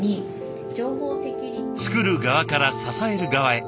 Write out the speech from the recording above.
作る側から支える側へ。